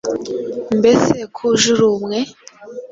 Mbese ko uje uri umwe,